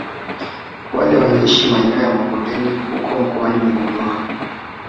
Wale wanaoishi maeneo ya mabondeni huko mkoani Morogoro